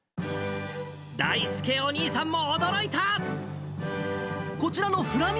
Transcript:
だいすけお兄さんも驚いた。